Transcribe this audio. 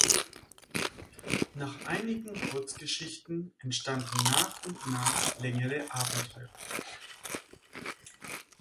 Nach einigen Kurzgeschichten entstanden nach und nach längere Abenteuer.